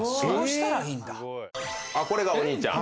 すごい！これがお兄ちゃん。